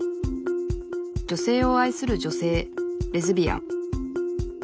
女性を愛する女性レズビアン。